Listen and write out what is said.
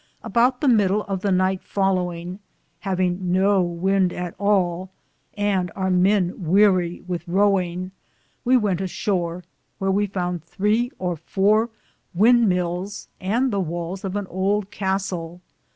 Aboute the mydle of the nyghte fol lowinge, haveinge no wynde at all, and our men wearie with rowinge, we wente a shore, wheare we founde 3 or 4 wynde myls and the wales of an ould Castele.